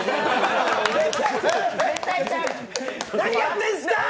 何やってんすかー！